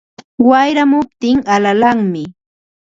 Wayramuptin alalanmi